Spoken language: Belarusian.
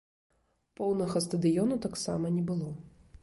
Поўнага стадыёну таксама не было.